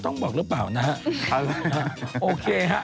คุณพูดสิอย่าวพูดเลย